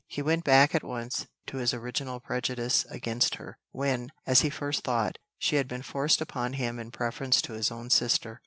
He went back at once to his original prejudice against her, when, as he first thought, she had been forced upon him in preference to his own sister.